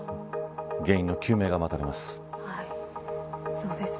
原因の究明が待たれます。